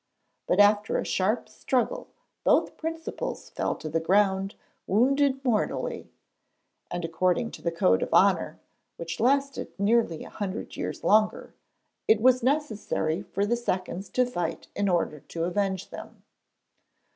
After a sharp struggle both principals fell to the ground, wounded mortally, and according to the code of honour, which lasted nearly a hundred years longer, it was necessary for the seconds to fight in order to avenge them.